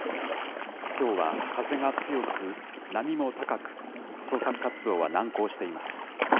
きょうは風が強く、波も高く、捜索活動は難航しています。